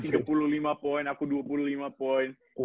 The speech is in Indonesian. dia puluh lima poin aku dua puluh lima poin